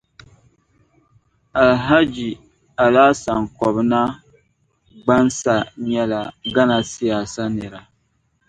Alhaji Alhassan Kobina Ghansah nyɛla Ghana siyaasa nira.